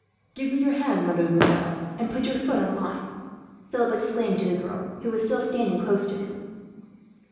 "Give me your hand, mademoiselle, and put your foot on mine," Philip exclaimed to the girl, who was still standing close to him.